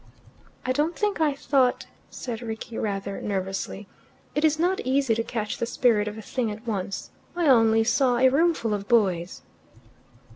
"I don't think I thought," said Rickie rather nervously. "It is not easy to catch the spirit of a thing at once. I only saw a roomful of boys."